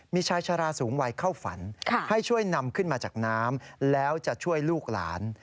มีชายชะลาสูงวัยเข้าฝันให้ช่วยนำขึ้นมาจากน้ำแล้วจะช่วยลูกหลาน